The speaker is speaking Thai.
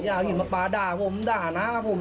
เอาหินมาปาด่าผมด่าหน้าผม